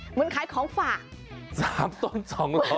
เหมือนขายของฝาก๓ต้น๒๐๐